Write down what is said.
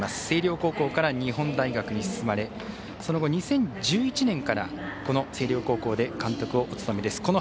星稜高校から日本大学に進まれその後、２０１１年からこの星稜高校で監督をお務めです。